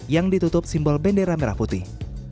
yang ditutup simbol bendera merah putih